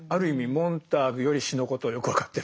モンターグより詩のことをよく分かってる。